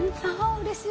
うれしい。